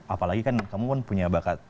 apalagi kan kamu kan punya bakat